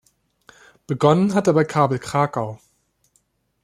Begonnen hat er bei "Kabel Krakau".